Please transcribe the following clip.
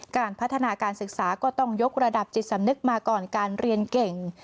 การพัฒนาการศึกษาก็ต้องยกระดับจิตสำนึกมาก่อนการเรียนเก่ง